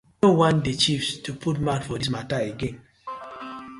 We no want the chiefs to put mouth for dis matta again.